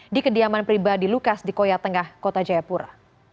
di kediaman pribadi lukas di koya tengah kota jayapura